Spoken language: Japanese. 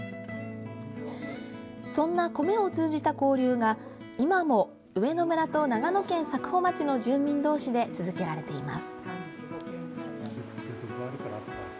そんな米を通じた交流が今も上野村と長野県佐久穂町の住民同士で続けられています。